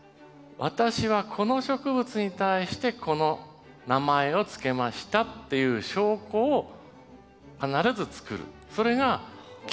私はこの植物に対してこの名前を付けましたっていう証拠を必ず作る。